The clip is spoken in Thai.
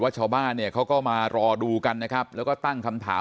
ชาวบ้านเนี่ยเขาก็มารอดูกันนะครับแล้วก็ตั้งคำถาม